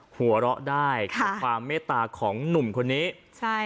หัวเราะได้กับความเมตตาของหนุ่มคนนี้ใช่